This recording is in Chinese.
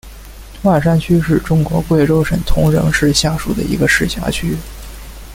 万山区是中国贵州省铜仁市下属的一个市辖区。